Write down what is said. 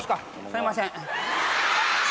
すいません